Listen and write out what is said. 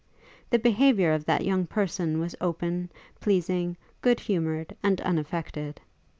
The behaviour of that young person was open, pleasing, good humoured and unaffected.